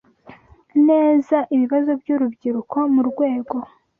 neza ibibazo by’urubyiruko mu rwego